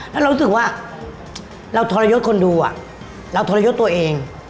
แล้วเรารู้สึกว่าเราทรยศคนดูเราทรยศตัวเอง